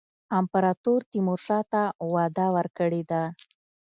امپراطور تیمورشاه ته وعده ورکړې ده.